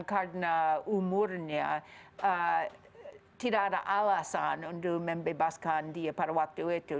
karena umurnya tidak ada alasan untuk membebaskan dia pada waktu itu